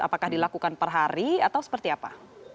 apakah dilakukan perhari atau seperti apa